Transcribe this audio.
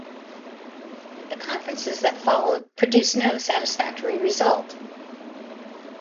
But the conferences that followed produced no satisfactory result.